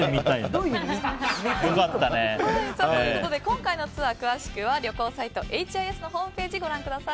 今回のツアー、詳しくは旅行サイト、ＨＩＳのホームページをご覧ください。